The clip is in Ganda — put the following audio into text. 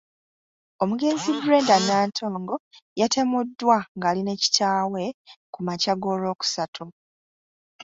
Omugenzi Brenda Nantongo yatemuddwa ng’ali ne kitaawe ku makya g’Olwokusatu.